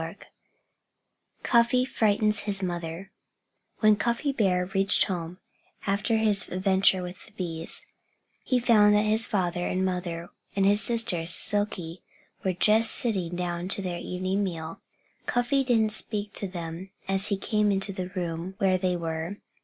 XVIII CUFFY FRIGHTENS HIS MOTHER When Cuffy Bear reached home, after his adventure with the bees, he found that his father and mother and his sister Silkie were just sitting down to their evening meal. Cuffy didn't speak to them as he came into the room where they were.